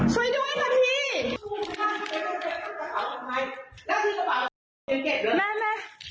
ช่วยด้วยค่ะ